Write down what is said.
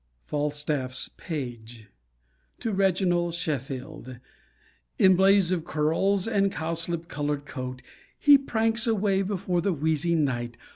FALSTAFF'S PAGE To Reginald Sheffield In blaze of curls and cowslip colored coat He pranks a way before the wheezing Knight.